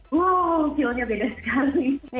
wuhh feelnya beda sekali